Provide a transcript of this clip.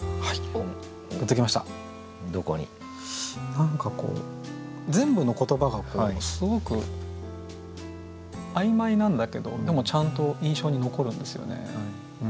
何かこう全部の言葉がすごく曖昧なんだけどでもちゃんと印象に残るんですよね。